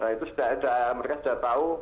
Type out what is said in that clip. itu sudah ada mereka sudah tahu